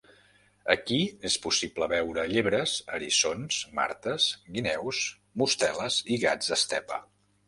Aquí és possible veure llebres, eriçons, martes, guineus, mosteles i gats estepa.